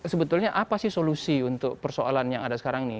sebetulnya apa sih solusi untuk persoalan yang ada sekarang ini